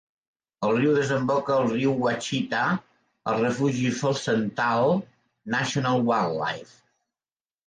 El riu desemboca al riu Ouachita al Refugi Felsenthal National Wildlife.